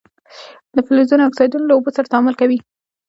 د فلزونو اکسایدونه له اوبو سره تعامل کوي.